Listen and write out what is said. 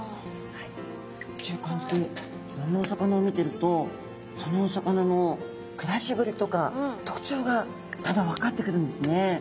ていうかんじでいろんなお魚を見てるとそのお魚のくらしぶりとかとくちょうがだんだん分かってくるんですね。